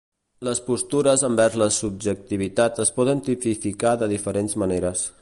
Les postures envers la subjectivitat es poden tipificar de diferents maneres.